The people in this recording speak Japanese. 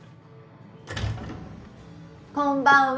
こんばんは。